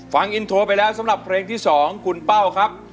ฟังอินโทรไปแล้วสำหรับเพลงที่๒คุณเป้าครับ